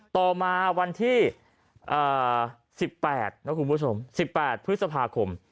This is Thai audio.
ต่อมาวันที่อ่าสิบแปดเน้อคุณผู้ชมสิบแปดพฤษภาคม